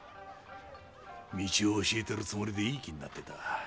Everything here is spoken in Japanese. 道を教えてるつもりでいい気になってた。